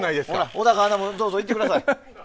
小高アナもどうぞ言ってください。